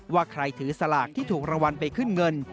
ว่าใครถือสลากที่ถูกรางวัลไปขึ้นเงิน